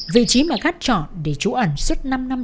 vị trí mà gác chọn để trú ẩn suốt năm năm